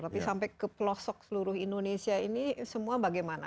tapi sampai ke pelosok seluruh indonesia ini semua bagaimana